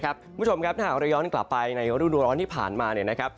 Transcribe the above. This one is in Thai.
คุณผู้ชมครับถ้าเรย้อนกลับไปในรุ่นร้อนที่ผ่านมา